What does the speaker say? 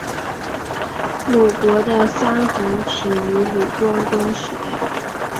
鲁国的三桓起于鲁庄公时代。